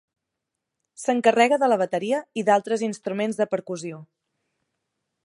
S'encarrega de la bateria i d'altres instruments de percussió.